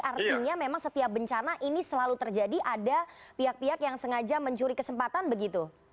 artinya memang setiap bencana ini selalu terjadi ada pihak pihak yang sengaja mencuri kesempatan begitu